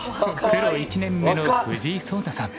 プロ１年目の藤井聡太さん。